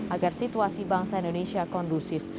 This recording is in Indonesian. agar situasi bangsa indonesia kondusif